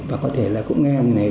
và có thể là cũng nghe người này